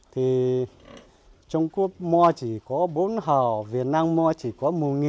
thì trung quốc mua chỉ có bốn hào việt nam mua chỉ có một